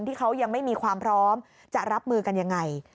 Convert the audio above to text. ที่เขายังไม่มีความพร้อมจะรับมือกันยังไง